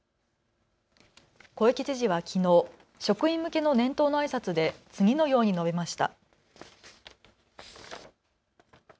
小池知事はきのう職員向けの年頭のあいさつで次のように述べました。